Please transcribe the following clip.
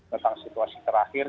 tentang situasi terakhir